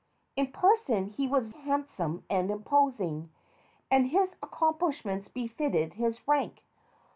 In person he was handsome and imposing, and his accomplishments befitted his rank.